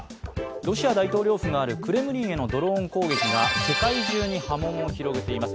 ロシア大統領府があるクレムリンへのドローン攻撃が世界中に波紋を広げています。